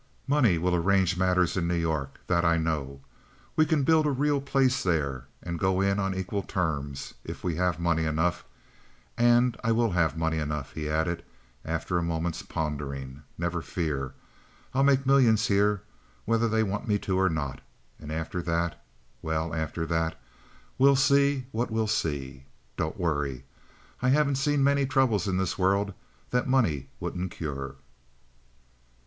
Money will arrange matters in New York—that I know. We can build a real place there, and go in on equal terms if we have money enough—and I will have money enough," he added, after a moment's pondering. "Never fear. I'll make millions here, whether they want me to or not, and after that—well, after that, we'll see what we'll see. Don't worry. I haven't seen many troubles in this world that money wouldn't cure."